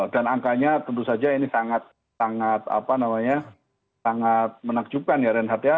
dan angkanya tentu saja ini sangat menakjubkan ya renhat ya